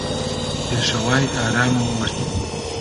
پێشەوای ئارام و ورد